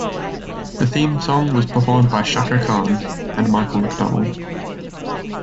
The theme song was performed by Chaka Khan and Michael McDonald.